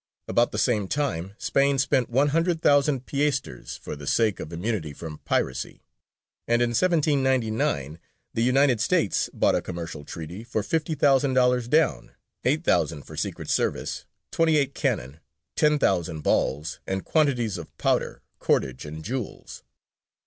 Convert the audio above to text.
About the same time Spain spent one hundred thousand piastres for the sake of immunity from piracy; and in 1799 the United States bought a commercial treaty for fifty thousand dollars down, eight thousand for secret service, twenty eight cannon, ten thousand balls, and quantities of powder, cordage, and jewels.